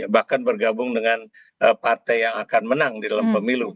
bahkan bergabung dengan partai yang akan menang di dalam pemilu